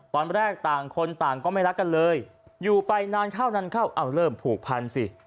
ตอนแรกต่างคนต่างก็ไม่รักกันเลยอยู่ไปนานเข้านานเข้าเอาเริ่มผูกพันสิ